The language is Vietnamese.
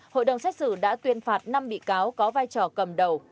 hội đồng xét xử đã tuyên phạt năm bị cáo có vai trò cầm đầu